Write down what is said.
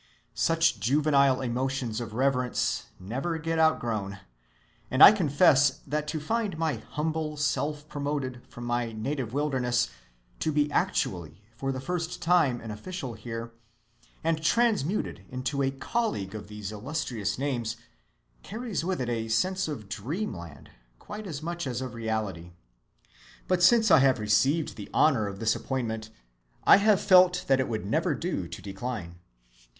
Such juvenile emotions of reverence never get outgrown; and I confess that to find my humble self promoted from my native wilderness to be actually for the time an official here, and transmuted into a colleague of these illustrious names, carries with it a sense of dreamland quite as much as of reality. But since I have received the honor of this appointment I have felt that it would never do to decline.